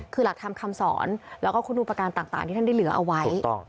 คือหลักธรรมคำสอนแล้วก็คุณอุปการณ์ต่างที่ท่านได้เหลือเอาไว้